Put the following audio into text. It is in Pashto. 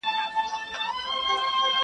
• هتکړۍ به دي تل نه وي -